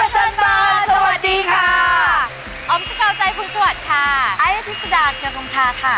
สวัสดีค่ะ